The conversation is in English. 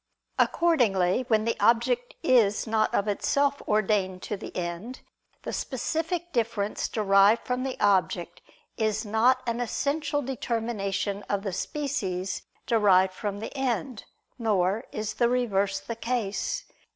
Accordingly when the object is not of itself ordained to the end, the specific difference derived from the object is not an essential determination of the species derived from the end, nor is the reverse the case.